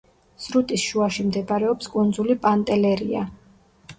სრუტის შუაში მდებარეობს კუნძული პანტელერია.